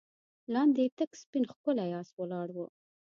لاندې تک سپين ښکلی آس ولاړ و.